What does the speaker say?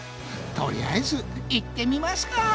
とりあえず行ってみますか。